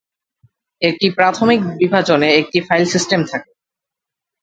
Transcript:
একটি প্রাথমিক বিভাজনে একটি ফাইল সিস্টেম থাকে।